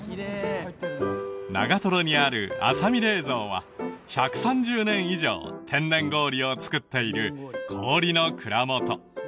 長瀞にある阿左美冷蔵は１３０年以上天然氷を作っている氷の蔵元